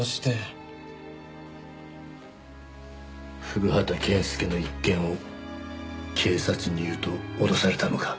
古畑健介の一件を警察に言うと脅されたのか？